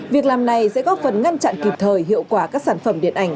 việc làm này sẽ góp phần ngăn chặn kịp thời hiệu quả các sản phẩm điện ảnh